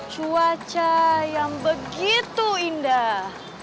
cuaca yang begitu indah